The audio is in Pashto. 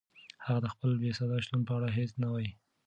هغه د خپل بېصدا شتون په اړه هیڅ نه وایي.